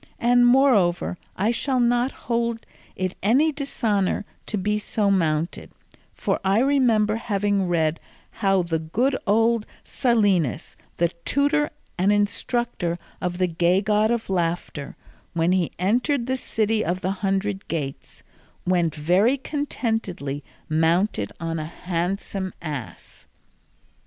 And moreover I shall not hold it any dishonour to be so mounted, for I remember having read how the good old Silenus, the tutor and instructor of the gay god of laughter, when he entered the city of the hundred gates, went very contentedly mounted on a handsome ass."